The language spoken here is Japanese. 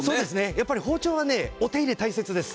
やっぱり包丁はお手入れ、大切です。